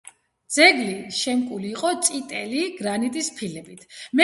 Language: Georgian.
ძეგლი შემკული იყო წიტელი გრანიტის ფილებით.